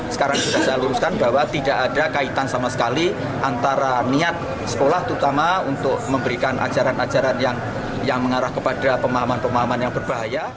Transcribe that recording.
sekarang sudah saya luruskan bahwa tidak ada kaitan sama sekali antara niat sekolah terutama untuk memberikan ajaran ajaran yang mengarah kepada pemahaman pemahaman yang berbahaya